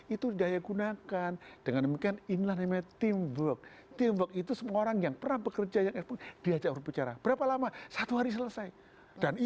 itu didaya gunakan dengan demikian inilah namanya teamwork teamwork itu semua orang yang pernah bekerja yang diajak berbicara berapa lama satu hari selesai